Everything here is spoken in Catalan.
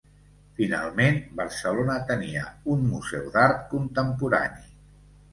Finalment, Barcelona tenia un museu d'art contemporani.